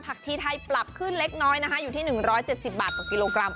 ชีไทยปรับขึ้นเล็กน้อยนะคะอยู่ที่๑๗๐บาทต่อกิโลกรัม